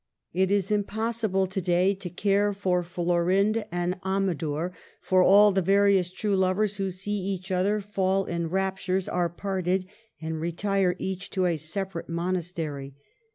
It is impos sible to day to care for Florinde and Amadour: for all the various true lovers, who see each other, fall in raptures, are parted, and retire each to a separate monastery.